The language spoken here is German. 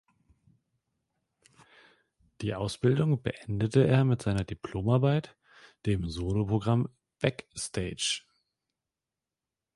Die Ausbildung beendete er mit seiner Diplomarbeit, dem Solo-Programm "Beck-Stage".